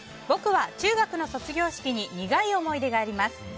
僕は中学の卒業式に苦い思い出があります。